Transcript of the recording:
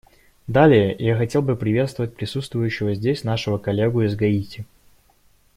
Далее, я хотел бы приветствовать присутствующего здесь нашего коллегу из Гаити.